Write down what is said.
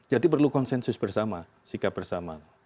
jadi perlu konsensus bersama sikap bersama